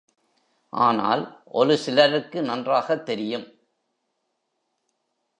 ஆனால் ஒரு சிலருக்கு நன்றாகத் தெரியும்.